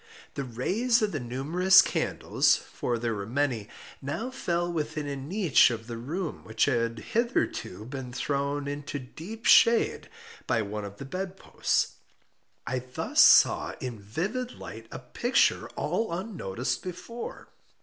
The rays of the numerous candles (for there were many) now fell within a niche of the room which had hitherto been thrown into deep shade by one of the bed posts. I thus saw in vivid light a picture all unnoticed before.